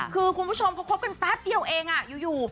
คือคุณผู้ชมพอคบกันแป๊บเดียวเองอยู่